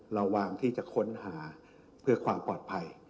ระหว่างที่จะค้นหาเพื่อความปลอดภัย